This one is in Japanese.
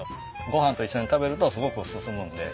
ご飯と一緒に食べるとすごく進むんで。